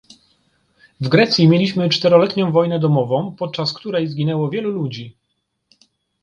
W Grecji mieliśmy czteroletnią wojnę domową, podczas której zginęło wielu ludzi